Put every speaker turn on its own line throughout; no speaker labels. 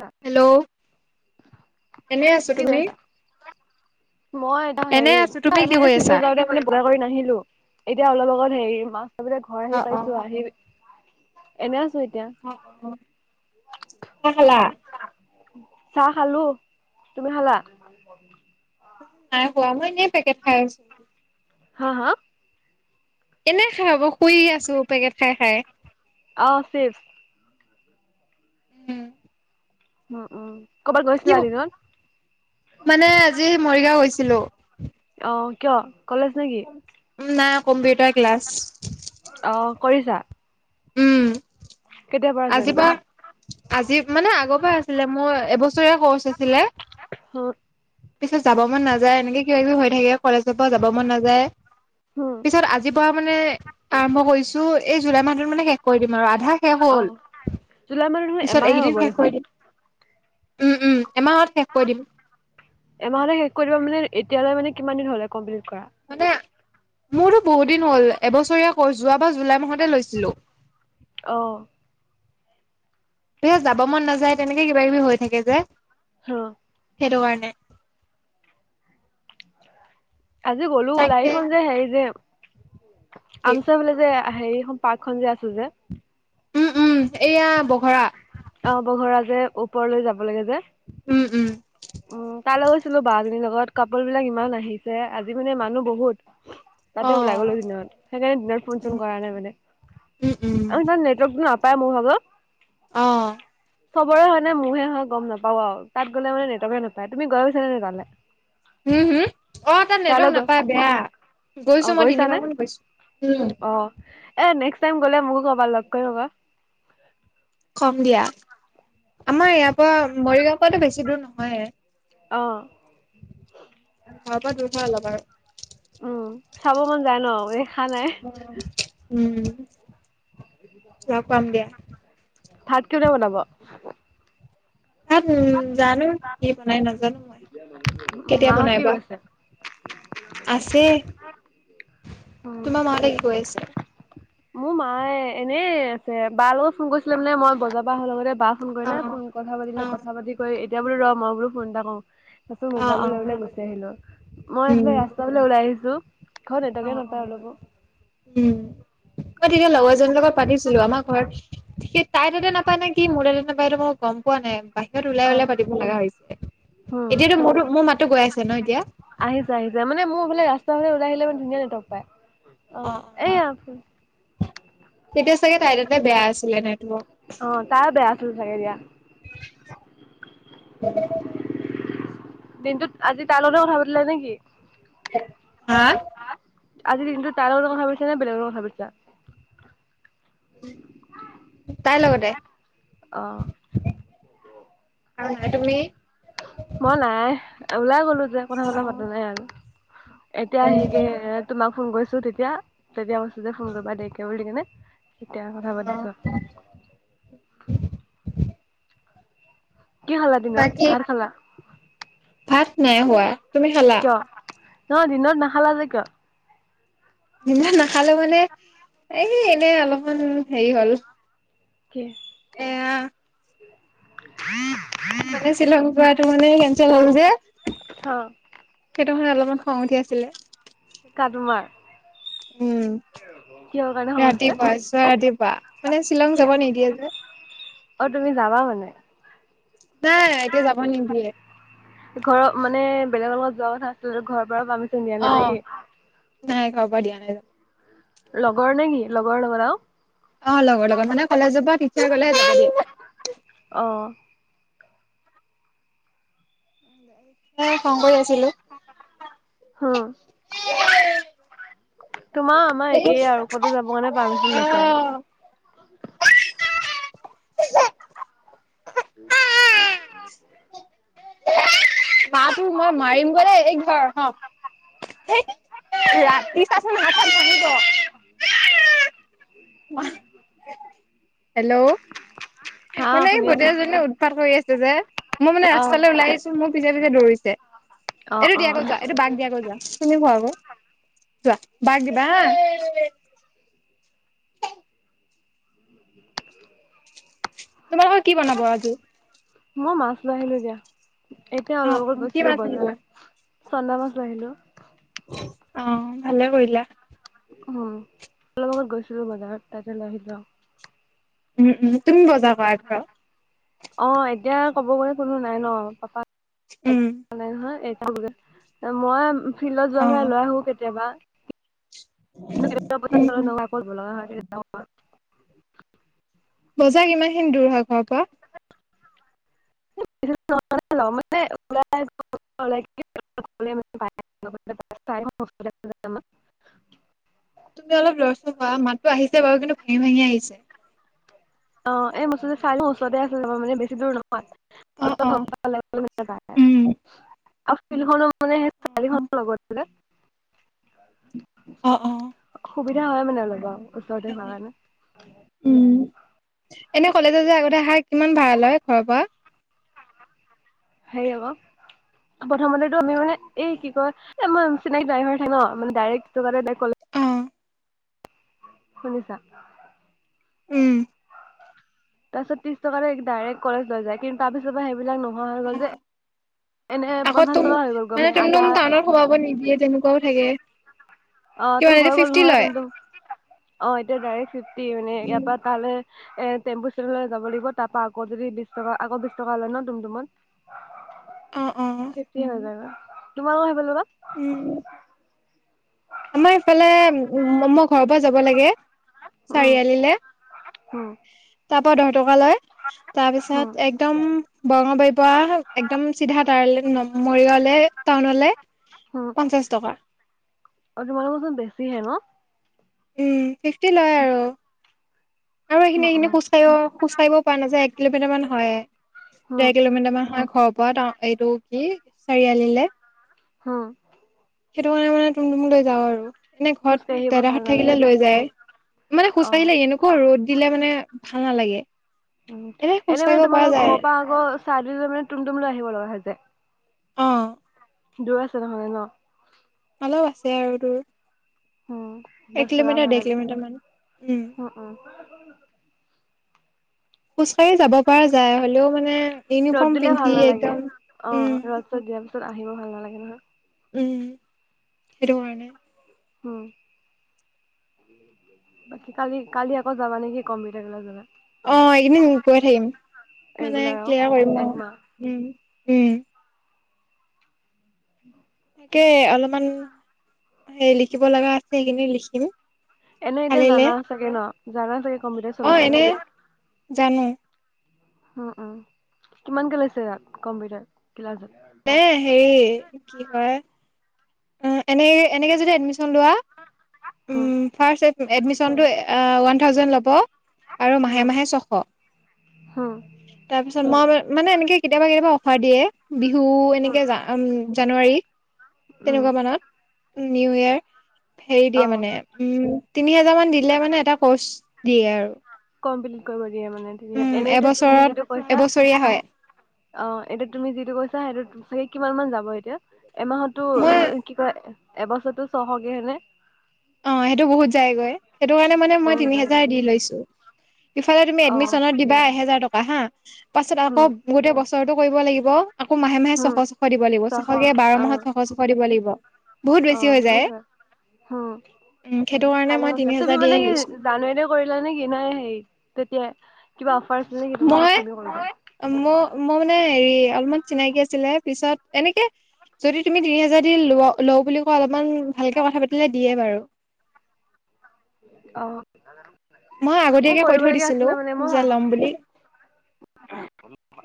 কি
হেল্ল' এনে আছো
কৰি
তুমি?
আছা? মই এটা হেৰি
কি
এনে
কৰি
ফিল্ত
আছা?
যাওঁতে মানে বা কৰি নাহিলো এতিয়া অলপ আগত হেৰি মা ঘৰ আহি
অ', অ',
পাইছো আহি এনে আছো এ
অ ছা খালা?
চাহ খালো তুমি খালা?
নাই হোৱা মই এনেই পেকেট খাই আছো।
হা, হা।
এনে খাই বৈ শুই আছোঁ, পেকেট খাই খাই।
অ' চিফ।
উম।
অহ'অহ'
কি মানে আজি মৰিগাঁও গৈছিলোঁ।
অ' কিয়? কলেজ নেকি?
নাই কম্পিউটাৰ ক্লাছ।
অ' কৰিছা?
উম।
কেতিয়াৰ পৰা জইন কৰিছা?
আজি মানে আগৰ পৰা আছিলে মোৰ এবছৰীয়া কৰ্চ আছিলে।
হ
পিছত যাব মন নাযায় এনেকে কিবা কিবি হৈ থাকে কলেজৰ পৰা যাব মন নাযায়
হুম
পিছত আজি কোৱা মানে আৰম্ভ কৰিছোঁ, এই জুলাই মাহটোত মানে শেষ কৰি দিম আৰু আধা শেষ হ'ল।
অ' জুলাই মাহত দেখোন
পিছত
এমাহে হ'ব
এইকেইদিন শেষ
দেখোন।
কৰি দিম। উম, উম, এমাহত শেষ কৰি দিম।
এমাহলে শেষ কৰি দিবা মানে এতিয়ালৈ মানে কিমান দিন হ'লে কমপ্লিট কৰা?
মানে, মোৰতো বহুত দিন হ'ল এবছৰীয়া কোৰ্চ। যোৱা বা জুলাই মাহতে লৈছিলোঁ।
অহ'
এ যাব মন নাযায়, তেনেকে কিবা কিবি হৈ থাকে যে।
হৰ
সেইটো কাৰণে।
আজি গ'লো ওলাই এই
তাকে
খন যে হেৰি যে
কি
আমচৈ ফালে যে হেৰিখন পাৰ্কখন যে আছো যে।
উম, উম, এইয়া বঘৰা।
অ', বঘৰা যে ওপৰলৈ যাব লাগে যে।
উম, উম।
উম, তালৈ গৈছিলো বা এজনীৰ লগত কাপ'লবিলাক ইমান আহিছে আজি মানে মানুহ বহুত।
অ
তাতে ওলাই গ'লো দিনত সেইকাৰণে দিনত ফোন চোন কৰা নাই মানে।
উম উম
আৰু ইমান নেটৱৰ্কতো নাপায় মোৰ ভাগৰ।
অ
চবৰে হয় নে মোৰহে হয় গম নাপাওঁ আৰু তাত গ'লে মানে নেটৱৰ্কে নেপায়। তুমি গৈ পাইছা নে তালে?
হম, হম? অ' তাত
তালৈ
নেটৱৰ্ক
গৈ
নাপায় বেয়া।
অ
গৈছো মই
গৈছানে
তিনিবাৰ মান গৈছো, উম।
অ এ নেক্সট টাইম গ'লে মোকো ক'বা লগ কৰি হ'বা।
কম দিয়া আমাৰ ইয়াৰ পৰা মৰিগাঁওৰ পৰা বেছি দূৰ নহয়ে।
অ'।
ঘৰৰ পৰা দূৰ হয় অলপ
উম
আৰু।
চাব মন যায় ন এ।
উম, উম, লগ পাম দিয়া।
ভাত কোনে বনাব?
তাত উম জানো কি বনাই নাজানো মই কেতিয়া
মাহত
বনাই
কি
বা।
কৰিছে?
আছেই,
উম,
তোমাৰ মাহঁতে কি কৰি আছে?
মোৰ মায়ে এনে আছে বা লগত ফোন কৰিছিলে মানে মই বজাৰ পৰা অহা লগতে বা ফোন
অ
কৰিলে ফোন কথা
অ
পাতিলে কথা পাতি কৰি এতিয়া বোলো ৰ'হ মই বোলো ফোন এটা কৰো। তাৰপিছত
অ অ
মোবাইলতো লৈ পেলাই গুচি আহিলো। মই
উম
এইফালে ৰাস্তা ফালে ওলাই আহিছো। ঘৰত
অ',
নেটৱৰ্কে নাপায়
অ',
অলপো।
উম। মই তেতিয়া লগৰ এজনীৰ লগত পাতিছিলো, আমাৰ ঘৰত কি তাই তাতে নাপায় নে কি মোৰ তাতে নাপায়তো মই গম পোৱা নাই বাহিৰত ওলাই
অ',
ওলাই পাতিব লগা হৈছে।
উম,
এতিয়াতো মোৰতো মোৰ মাতো গৈ আছে ন এতিয়া?
বোলে ৰাস্তাফালে ওলাই আহিলে মানে ধুনীয়া নেটৱৰ্ক পায়। অ' এইয়া
তেতিয়া চাগে তাই তাতে বেয়া আছিলে নাই তোৰ?
থাকে দিয়া।
[unintelligible]
দিনটোত আজি তাৰ লগতে কথা পাতিলা নেকি?
হা
আজি দিনটোত তাই লগতে কথা পাতিছা নে বেলেগৰ লগত কথা পাতিছা?
তাই লগতে?
অ'।
আৰু নাই তুমি
মই নাই, ওলাই গ'লো যে কথা
অ
চথা পাতা নাই আৰু। এতিয়া আহিকে তোমাক ফোন কৰিছো তেতিয়া। তেতিয়া কৈছো যে ফোন কৰিবা দেৰিকে বুলি কেনে। এতিয়া কথা
অ
পাতিছো আৰু। কি খালা দিনত
বাকী
ভাল খালা?
ভাত নাই হোৱা তুমি খালা?
কিয় নহয় দিনত নাখালা যে কিয়?
ইমান নাখালে মানে এ এনে অলপমান হেৰি হ'ল।
কি?
এয়া
[unintelligible]
মানে শ্বিলং পোৱাটো মানে কেচেল হল যে
অহ
সেইটোহে অলপমান খং উঠি আছিলে।
কাৰ তোমাৰ?
উম
কিহৰ কাৰণে খং উঠিছে
ৰাতিপুৱা চোৱা ৰাতিপুৱা মানে শ্বিলং
কি
যাব নিদিয়ে যে।
অ তুমি যাবা মানে?
নাই এতিয়া যাব নিদিয়ে
ঘৰত মানে বেলেগৰ লগত যোৱা কথা আছিলো ঘৰ পৰা পাৰ্মিচন দিয়া নাই নে নেকি
ঘৰ পৰা দিয়া নাই যাব
লগৰ নে কি লগৰ লগত আও
অ লগৰ লগত মানে [unintelligible]
অ
তাকে খং কৰি আছিলো
হম
[unintelligible]
তোমাৰ আমাৰ একেই আৰু ক'তো যাব কাৰণে
অ
পাৰ্মিচন নাপায়
[unintelligible]
[unintelligible]
মা তোক মই মাৰিমগৈ দেই, এইক ধৰ হেই ৰাতি চাচোন হাত চাত ভাঙিব
[unintelligible]
হেল্ল'।
হা
মানে এই
শুনি আছো
ভতিজা জনিয়ে উৎপাত কৰি আছে যে, মই মানে
আহ
ৰাস্তালে ওলাই আহিছো মোৰ পিছে পিছে দৌৰিছে।
অ
এইটো
অ
দিয়াগৈ যোৱা, এইটো বাক দিয়াগৈ যোৱা। তুমি খোৱা আকৌ যোৱা। বাক দিবা হা। তোমালোকৰ কি বনাব আজি?
মই মাছ লৈ আহিলো এতিয়া, এতিয়া
অ
অলপ
অ
আগত
কি
গৈছিলো
মাছ আনিলা
বজাৰত। চন্দা মাছ লৈ আহিলোঁ।
অ ভালেই কৰিলা।
উম, অলপ আগত গৈছিলো বজাৰত, তাতেই লৈ আহিলোঁ আও
উম উম, তুমি বজাৰ কৰা ঘৰৰ।
অ এতিয়া ক'ব গ'লে কোনো নাই ন, পাপা
উম।
[unintelligible] মই ফিল্ডত যোৱাৰ ভাই
অ
লৈ আহোঁ কেতিয়াবা।
উম উম
[unintelligible]
বজাৰ কিমান খিনি দূৰ হয় ঘৰৰ পৰা?
[unintelligible] মানে [unintelligible] ওলাই [unintelligible] ক'লে [unintelligible]
তুমি অলপ লৰচৰ কৰা। মাতটো আহিছে বাৰু, কিন্তু ভাঙি-ভাঙি আহিছে।
অ', এই মুঠতে চাই লওঁ। ওচৰতে আছে যদি [unintelligible] মানে বেছি দূৰ নহ
অ অ
[unintelligible]
উম
আৰু ফিল্ড খনো মানে সেই চাৰিখনৰ লগত বোলে।
অহ' অ'।
সুবিধা হয় মানে অলপ আৰু ওচৰতে হোৱা কাৰণে।
উম এনে কলেজত যে আগতে আহা কিমান ভাড়া লয় ঘৰৰ পৰা?
হেৰি অ'ক প্ৰথমতেতো আমি মানে, এই কি কয়, এ ম চিনাকী ড্ৰাইভাৰ থাকে ন। মানে ডাইৰেক্ট [unintelligible]
অ
শুনিছা?
উম।
তাৰপিছত ত্ৰিছ টকাকৈ ডাইৰেক্ট কলেজ লৈ যায়। কিন্তু তাৰ পিছৰ পৰা সেইবিলাক নোহোৱা হৈ গ'ল যে এনে
আকৌ
পঞ্চাশ
তুম,
টকা হৈ গ'ল
মানে
আধা
টুম-টুম টাউনত সোমাব নিদিয়ে তেনেকুৱাও থাকে।
অ',
কিমান
ত' হৈ
এতিয়া
গ'ল
ফিফটি
নহয়
লয়
টুমটুম। অ'এতিয়া ডাইৰেক্ট ফিফটি মানে ইয়াৰ পৰা তালে এ টেম্পু ষ্টেনলৈ যাব লাগিব। তাপা আকৌ যদি বিশ টকা, আকৌ বিশ টকা লয় ন টুমটুমত।
অ অ
ফিফ্টিয়ে হৈ যায়। তোমালোকৰ হেই ফালৰ পা
উম। আমাৰ ইফালে ম-মই ঘৰৰ পৰা যাব লাগে চাৰিআলিলে।
অ'।
তাৰ পৰা দহ টকা লয়, তাৰ পিছত
উম
একদম বৰঙাবাৰীৰ পৰা একদম চিধা তাৰলে ন-মৰিগাঁওলৈ, টাউনলৈ
উম
পঞ্চাশ টকা।
অ', তোমালোকৰ চোন বেছি হে ন?
উম, ফিফটি লয় আৰু। আৰু
উম
এইখিনি-এইখিনি
উম
খোজ কাঢ়িব, খোজ কাঢ়িব পৰা নাযায়, এক কিলোমিটাৰ মান হয়েই।
উম
ডেৰ কিলোমিটাৰ মান হয় ঘৰৰ পৰা টাউন, এইটো কি চাৰিআলিলে
হম।
সেইটো কাৰণে মানে টুমটুম লৈ যাওঁ আৰু। এনে
খোজকাঢ়ি
ঘৰত
আহিব ভাল
দাদাহঁত থাকিলে
নালাগে
লৈ যায়। মানে
অ
খোজ কঢ়িলে এনেকুৱা ৰ'দ দিলে মানে ভাল নালাগে।
উম,
এনে খোজ
এনেই
কাঢ়িব
মানে
পৰা
তোমালোকৰ
যায়
ঘৰৰ পৰা আকৌ চাৰিআলিলৈ মানে টুমটুমলৈ আহিব লগা হৈ যায়।
অ'।
দূৰ আছে নহ'লে ন?
অলপ আছে আৰু দূৰ।
উম, দহ টকা ভাড়া লয়।
মান
উম, উম।
খোজ কঢ়ি যাব পৰা যায়, হ'লেও মানে
ৰ'দ
ইউনিফৰ্ম
দিলে ভাল
পিন্ধি
নালাগে
একদম উম
অ', ৰ'দ-ছদ দিয়া পিছত আহিব ভাল নালাগে নহয়।
উম, হেতুকাৰনে।
হম। বাকি কালি-কালি আকৌ যাবা নেকি কম্পিউটাৰ ক্লাছলৈ?
অ', এইকেইদিন গৈ থাকিম মানে
ৰেগুলাৰ আৰু
ক্লিয়াৰ কৰিম। অ',
একমাহ
উম। উম।
[unintelligible]
কে অলপমান, হেই লিখিব লগা আছে, সেইখিনি লিখিম।
এনে এতিয়া
কালিলে
জানা চাগে ন? জানা চাগে কম্পিউটাৰ
অ
চলাবলৈ?
এনে জানো
উম, উম, কিমানকে লৈছে ইয়াত কম্পিউটাৰত?
এই হেৰি এইটো কি কয়। উম, এনে এনেকে যদি এডমিশ্যন লোৱা ফাৰ্ষ্ট এডমিশ্যন টো ওৱান থাউজেণ্ড ল'ব। আৰু মাহে
হম
মাহে ছশ,
হম
তাৰপিছত মই মানে এনেকে কেতিয়াবা, কেতিয়াবা অফাৰ দিয়ে বিহু
হম
এনেকে জানুৱাৰী
উম
তেনেকুৱা মানত, নিউ ইয়েৰৰ হেৰি
অ
দিয়ে মানে উম, তিনি হাজাৰ মান দিলে মানে এটা কোৰ্চ দিয়ে আৰু
কমপ্লিট কৰিব দিয়ে মানে ধুনীয়া,
উম
এনেতুমি
এবছৰত
যিটো কৈছা
এবছৰীয়া হয়
অ', এতিয়া তুমি যিটো কৈছা সেইটো সেই কিমান মান যাব এতিয়া? এমাহতো
মই
অ' কি কয় এবছৰটো ছশকে হয়নে?
অ', সেইটো বহুত যায়গৈ। সেইটোকাৰণে মানে মই
বহুত যায়
তিনিহোজাৰ দি লৈছো। ইফালে তুমি
অ
এডমিশনত দিবা এহেজাৰ টকা হা। পাছত আকৌ
হম
গোটেই বছৰটো কৰিব লাগিব আকৌ মাহে-মাহে
হম
ছশ-ছশ দিব লাগিব।
ছশ
ছশকে বাৰ
অ
মাহত ছশ-ছশ দিব লাগিব। বহুত বেছি
অ',
হৈ যায়
বহুত হয়। অ'।
উম সেইটো কাৰণে
ভালে
মই
কৈছা,
তিনি
তুমি
হাজাৰ দিয়ে
মানে কি
লৈছো
জানুৱাৰীতে কৰিলা নে কি নে হে তেতিয়াই কিবা অফাৰ আছিল নেকি তোমাক তুমি কৰোতে?
ম মই মানে হেৰি অলপমান চিনাকি আছিলে পিছত এনেকে যদি তুমি দুই হাজাৰ দি ল লওঁ বুলি কোৱা। অলপমান ভালকে কথা পাতিলে দিয়ে বাৰু।
অহ'
মই আগতীয়াকে কৈ থৈ দিছিলোঁ
মই
যে
ভাবি
ল'ম বুলি।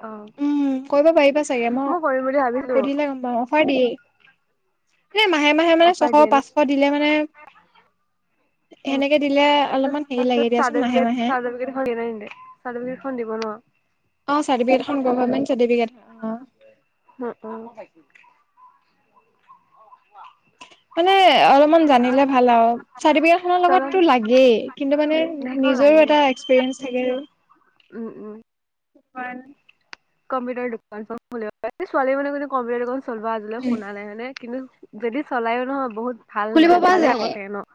অ
উম, কৰিব পাৰিবা চাগে মই
কৰিম বুলি ভাবিছো
সুধিলে গ'ম পাম। কৈয় দিয়ে। এনে মাহে মাহে মানে
অফাৰ
ছশ
দিয়ে ন
পাঁচশ দিলে মানে
উম,
সেনেকে দিলে
তাৰপিছত
অলপমান হেৰি
তাৰপিছত
লাগে দিয়াচোন মাহে
চাৰ্টিফিকেত
মাহে
চাৰ্টিফিকেতখন দিয়ে না নিদিয়ে? চাৰ্টিফিকেতখন দিব ন?
অ চাৰ্টিফিকেতখন গভৰ্মেন্ত চাৰ্টিফিকেত।
উম উম। [inaudible]
মানে অলপমান জানিলে ভাল আৰু চাৰ্টিফিকেট খনৰ লগতো লাগেই কিন্তু মানে
সেইখন
নিজৰো
লাগে
এটা এক্সপিৰিয়েঞ্চ থাকে।
উম উম।
[inaudible]
কম্পিউটাৰ দোকান [inaudible] ছোৱালী মানুহ কিন্তু কম্পিউটাৰ দোকান চলোৱা আজিলৈ শুনা নাই মানে কিন্তু যদি চলায়ো নহয় বহুত ভাল
খুলিব
মানে,
পৰা
ভালেই
যায়
হ'ব চাগে ন?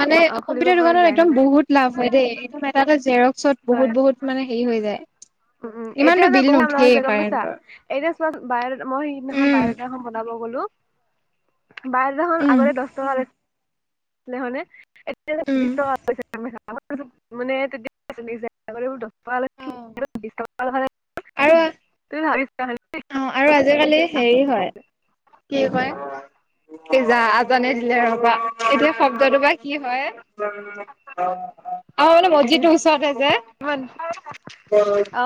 মানে
অ খুলিব
কম্পিউটাৰ
পৰা
দোকানত
যায়
একদম
হয়নে
বহুত লাভ হয় দেই, একদম এটা এটা জেৰক্সত
হয়
বহুত বহুত মানে হেৰি হৈ যায়
উম উম
ইমানতো
এতিয়া যে
বিল
বহুত মানহ
নুঠেই
হৈছে গম পাইছা
কাৰেণ্টৰ
এতিয়া চোৱা বায় মই সেইদিনাখন
উম
বায় ডাটা এখন বনাব গলো বায় ডাটাখন
উম
আগতে দছ টকা লৈছিলে হয়নে? এতিয়া
উম
বিশ টকা [unintelligible] মানে [unintelligible]
অ আৰু
[unintelligible]
অ আৰু আজিকালি হেৰি হয় কি হয় [unintelligible] ৰবা এতিয়া শব্দটো বা কি হয়, অ মানে মছ্জিটো ওচৰতে যে।
[unintelligible] অ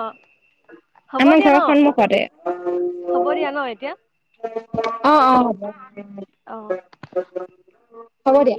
হ'ব
আমাৰ
দিয়া ন?
ঘৰৰ সন্মুখতে
হ'ব দিয়া ন এতিয়া?
অ অ
অ
[unintelligible] হ'ব দিয়া।